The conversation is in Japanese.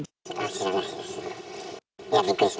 知らないですよ。